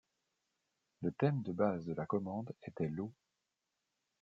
Le thème de base de la commande était l'eau.